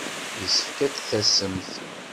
Yessefk ad d-tasemt.